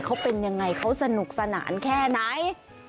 เขาเป็นยังไงเขาสนุกสนานแค่ไหน